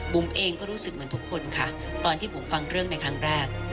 เองก็รู้สึกเหมือนทุกคนค่ะตอนที่บุ๋มฟังเรื่องในครั้งแรก